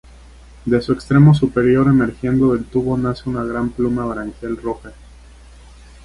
De su extremo superior, emergiendo del tubo, nace una gran pluma branquial roja.